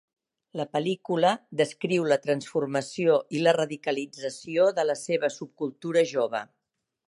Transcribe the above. La pel·lícula descriu la transformació i la radicalització de la seva subcultura jove.